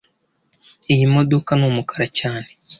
Iyi modoka ni umukara cyane